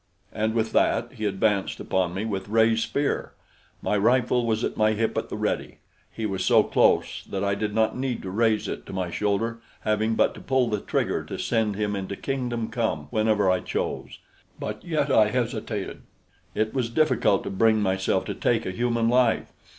And with that he advanced upon me with raised spear. My rifle was at my hip at the ready. He was so close that I did not need to raise it to my shoulder, having but to pull the trigger to send him into Kingdom Come whenever I chose; but yet I hesitated. It was difficult to bring myself to take a human life.